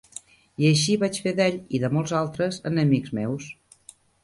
I així vaig fer d'ell i de molts altres, enemics meus.